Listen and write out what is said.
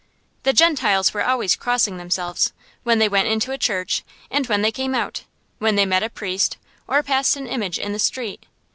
The Gentiles were always crossing themselves; when they went into a church, and when they came out, when they met a priest, or passed an image in the street.